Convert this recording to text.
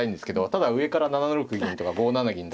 ただ上から７六銀とか５七銀とか。